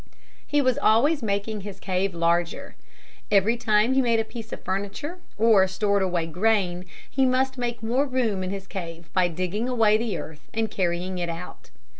He was always making his cave larger. Every time he made a piece of furniture or stored away grain he must make more room in his cave by digging away the earth and carrying it out.